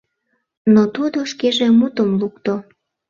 Но тудо шкеже мутым лукто: